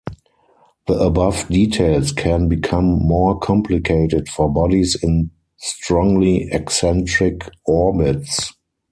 The above details can become more complicated for bodies in strongly eccentric orbits.